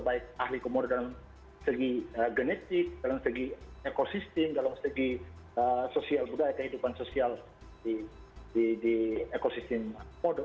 baik ahli komer dalam segi genetik dalam segi ekosistem dalam segi sosial budaya kehidupan sosial di ekosistem mode